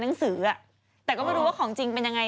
แต่ก็ไม่รู้ว่าของจริงเป็นยังไง